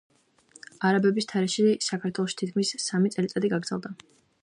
არაბების თარეში საქართველოში თითქმის სამი წელიწადი გაგრძელდა.